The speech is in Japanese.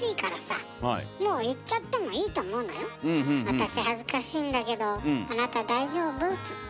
「私恥ずかしいんだけどあなた大丈夫？」っつって。